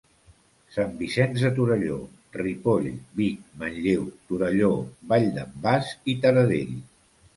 Sant Vicenç de Torelló, Ripoll, Vic, Manlleu, Torelló, Vall d'en Bas i Taradell.